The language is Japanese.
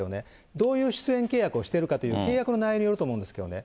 どういう出演契約をしているのかという、契約の内容によると思うんですけどね。